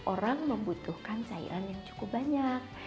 orang membutuhkan cairan yang cukup banyak